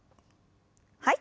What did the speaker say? はい。